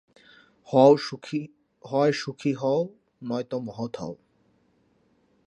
হয় সুখী হও, নয়তো মহৎ হও।